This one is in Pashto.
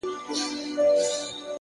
هم داسي ستا دا گل ورين مخ ـ